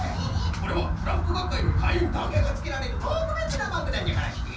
これはクラフトがっかいのかいいんだけがつけられるとくべつなマークなんじゃからして！